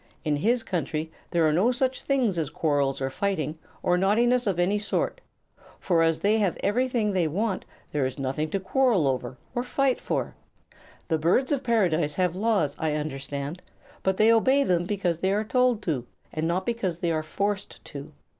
In his country there are no such things as quarrels or fighting, or naughtiness of any sort; for as they have everything they want there is nothing to quarrel over or fight for. The Birds of Paradise have laws, I understand; but they obey them because they are told to, and not because they are forced to.